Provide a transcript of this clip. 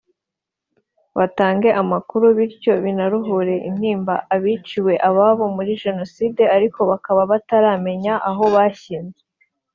batange amakuru bityo binaruhure intimba abiciwe ababo muri Jenoside ariko bakaba bataramenya aho bashyizwe"